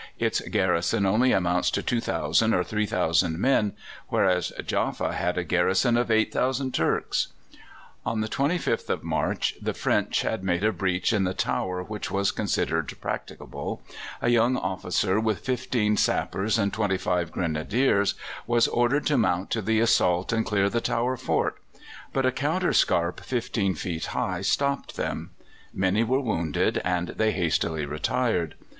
Its garrison only amounts to 2,000 or 3,000 men, whereas Jaffa had a garrison of 8,000 Turks." On the 25th of March the French had made a breach in the tower which was considered practicable. A young officer with fifteen sappers and twenty five Grenadiers, was ordered to mount to the assault and clear the tower fort; but a counter scarp 15 feet high stopped them. Many were wounded, and they hastily retired.